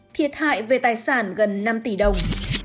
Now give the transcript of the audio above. thiệt hại về tài sản gần năm tỷ đồng